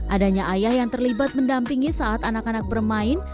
adanya ayah yang terlibat mendampingi saat anak anak bermain